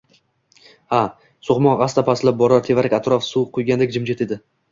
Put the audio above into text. — Ha… — Soʼqmoq asta pastlab borar, tevarak-atrof suv quygandek jimjit edi…